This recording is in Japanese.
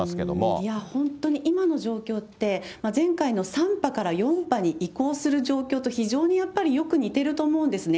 いやー、本当に今の状況って、前回の３波から４波に移行する状況と非常にやっぱりよく似てると思うんですね。